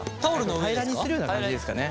平らにするような感じですかね。